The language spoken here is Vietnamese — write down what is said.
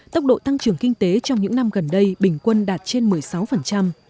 tốc độ tăng trưởng kinh tế trong những năm gần đây bình quân đạt trên một mươi sáu